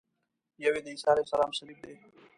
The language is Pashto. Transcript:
یو یې د عیسی علیه السلام صلیب دی.